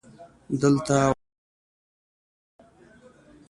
دلته واوره اوري.